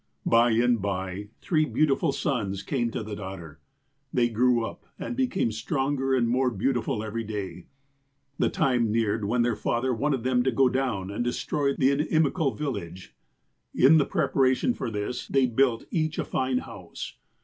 "By and by, three beautiful sons came to the daugh ter. They grew up, and became stronger and more beau tiful every day. The time neared when their father wanted them to go down and destroy the inimical vil lage. In preparation for this, they built each a fine house.